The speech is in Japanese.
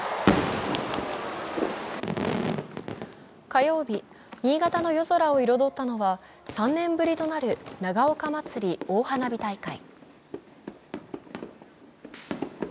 火曜日、新潟の夜空を彩ったのは３年ぶりとなる長岡まつり大花火大会。